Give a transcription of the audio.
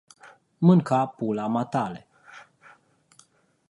Mânca pula matale